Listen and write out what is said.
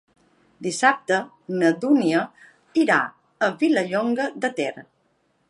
Dissabte na Dúnia irà a Vilallonga de Ter.